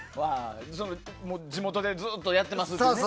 地元でずっとやってますみたいなね。